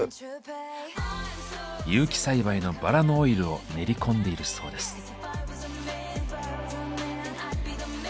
有機栽培のバラのオイルを練り込んでいるそうです。